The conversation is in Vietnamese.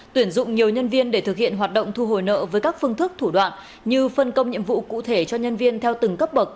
tuyển dụng nhiều nhân viên để thực hiện hoạt động thu hồi nợ với các phương thức thủ đoạn như phân công nhiệm vụ cụ thể cho nhân viên theo từng cấp bậc